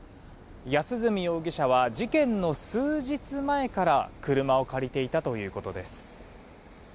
安栖容疑者は、事件の数日前から車を借りていたということです。